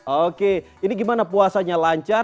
oke ini gimana puasanya lancar